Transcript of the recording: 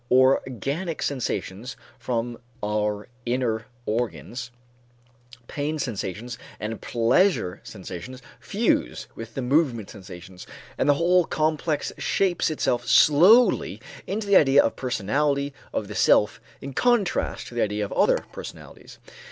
Organic sensations from our inner organs, pain sensations and pleasure sensations fuse with the movement sensations, and the whole complex shapes itself slowly into the idea of the personality of the self in contrast to the idea of other personalities.